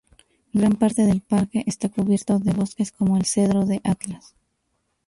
Gran parte del parque está cubierto de bosques como el cedro del Atlas.